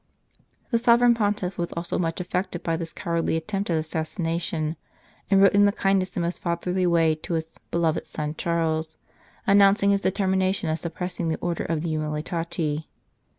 The Sovereign Pontiff was also much affected by this cowardly attempt at assassination, and wrote in the kindest and most fatherly way to his "beloved son Charles," announcing his deter mination of suppressing the Order of the Umiliati.